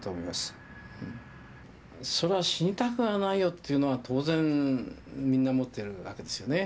そら死にたくはないよっていうのは当然みんな持ってるわけですよね。